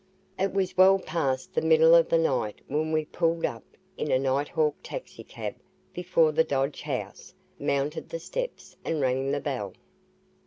It was well past the middle of the night when we pulled up in a night hawk taxicab before the Dodge house, mounted the steps and rang the bell.